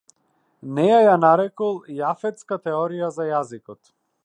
Неа ја нарекол јафетска теорија за јазикот.